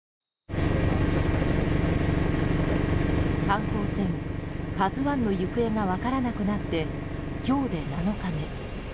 観光船「ＫＡＺＵ１」の行方が分からなくなって今日で７日目。